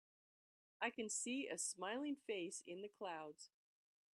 I can see a smiling face in the clouds.